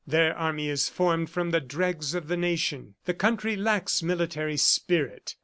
Their army is formed from the dregs of the nation. The country lacks military spirit.